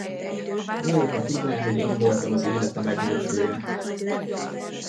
Ó, ha tudná, hogy én voltam az élete megmentője!